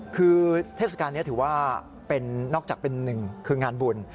คือเทศกาลนี้ถือว่าเป็นนอกจากเป็นหนึ่งคืองานบุญ